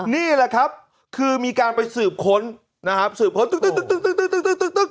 นี่แหละครับคือมีการไปสืบค้นนะครับสืบค้น